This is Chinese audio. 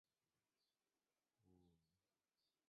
回来带小孩吧